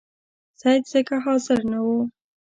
سید ځکه حاضر نه وو.